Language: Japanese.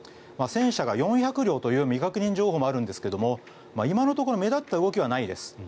戦車が４００両という未確認情報もあるんですが今のところ目立った動きはないです。